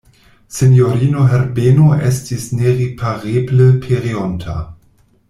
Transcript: Sinjorino Herbeno estis neripareble pereonta.